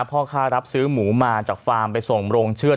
พ่อค้ารับซื้อหมูมาจากฟาร์มไปส่งโรงเชื่อด